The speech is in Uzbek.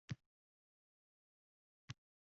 Jon berayotib: